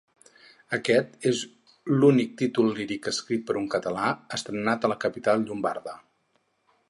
Aquest és l'únic títol líric escrit per un català estrenat a la capital llombarda.